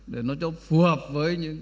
để nó cho phù hợp với những